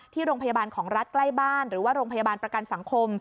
ที่โรงพยาบาลของรัฐใกล้บ้านหรือว่าโรงพยาบาลประกันสังคม